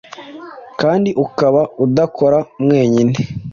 kandi ukaba udakora mwenyine,